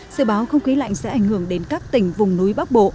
sự báo không khí lạnh sẽ ảnh hưởng đến các tỉnh vùng núi bắc bộ